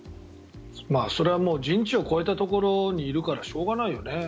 それは人知を超えたところにいるからしょうがないよね。